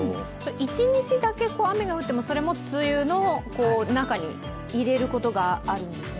１日だけ雨が降っても、それも梅雨の中に入れることがあるんですね？